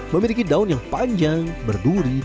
memiliki daun yang panjang berduri